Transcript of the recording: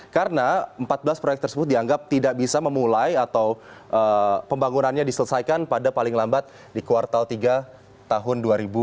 karena empat belas proyek tersebut dianggap tidak bisa memulai atau pembangunannya diselesaikan pada paling lambat di kuartal tiga tahun dua ribu sembilan belas